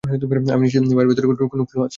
আমি নিশ্চিত বইয়ের ভিতরে কোন ক্লু আছে।